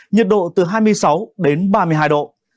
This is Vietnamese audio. nhiệt độ từ hai mươi sáu đến ba mươi hai độ